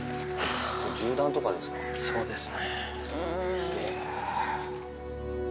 そうですね。